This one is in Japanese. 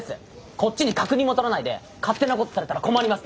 こっちに確認も取らないで勝手なことされたら困ります！